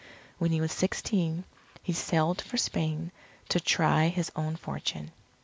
When he was sixteen, he sailed for Spain to try his own fortune.